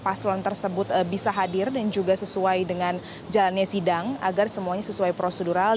paslon tersebut bisa hadir dan juga sesuai dengan jalannya sidang agar semuanya sesuai prosedural